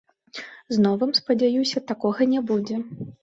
З новым, спадзяюся, такога не будзе.